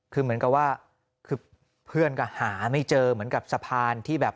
คือเหมือนกับว่าคือเพื่อนก็หาไม่เจอเหมือนกับสะพานที่แบบ